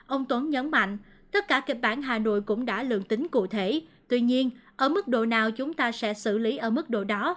ông tuấn nhấn mạnh tất cả kịch bản hà nội cũng đã lượng tính cụ thể tuy nhiên ở mức độ nào chúng ta sẽ xử lý ở mức độ đó